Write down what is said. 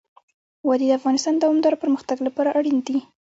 وادي د افغانستان د دوامداره پرمختګ لپاره اړین دي.